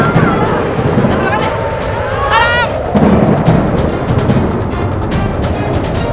dendam dari kubur